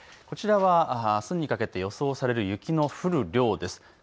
こちらはあすにかけて予想される雪の降る量です。